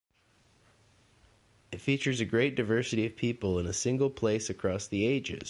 It features a great diversity of people in a single place across the ages.